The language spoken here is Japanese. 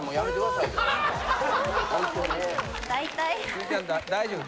辻ちゃん大丈夫。